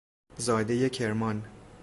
زادهی کرمان